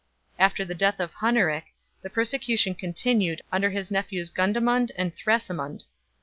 After the death of Hunneric, the persecution continued under his nephews Gundamund and Thrasimund.